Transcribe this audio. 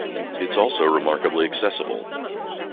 It's also remarkably accessible.